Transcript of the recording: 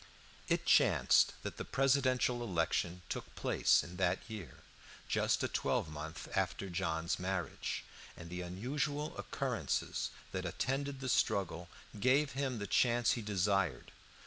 It chanced that the presidential election took place in that year, just a twelvemonth after John's marriage, and the unusual occurrences that attended the struggle gave him the chance he desired.